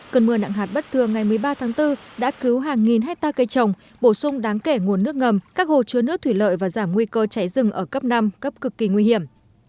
cơn mưa nặng hạt bất thường ngày một mươi ba tháng bốn đã cứu hàng nghìn hectare cây trồng bổ sung đáng kể nguồn nước ngầm các hồ chứa nước thủy lợi và giảm nguy cơ cháy rừng ở cấp năm cấp cực kỳ nguy hiểm